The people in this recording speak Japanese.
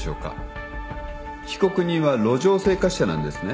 被告人は路上生活者なんですね。